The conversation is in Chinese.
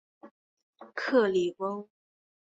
克里翁。